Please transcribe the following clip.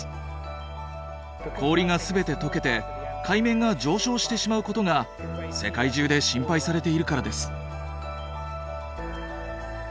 氷が全て解けて海面が上昇してしまうことが世界中で心配されているからです。